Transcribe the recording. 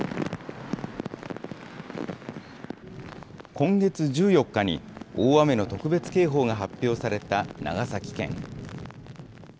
今月１４日に大雨の特別警報が発表された長崎県。